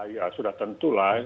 ya sudah tentulah